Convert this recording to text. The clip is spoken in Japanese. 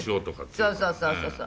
そうそうそうそうそう。